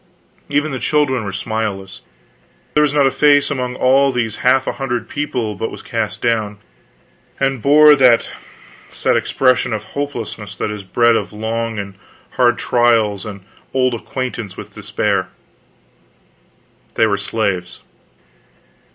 Even the children were smileless; there was not a face among all these half a hundred people but was cast down, and bore that set expression of hopelessness which is bred of long and hard trials and old acquaintance with despair. They were slaves.